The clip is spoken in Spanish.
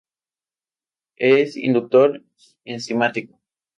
Es inductor enzimático.